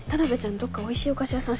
どっかおいしいお菓子屋さん知らない？